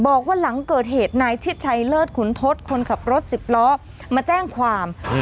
บอกว่าหลังเกิดเหตุนายชิดชัยเลิศขุนทศคนขับรถสิบล้อมาแจ้งความ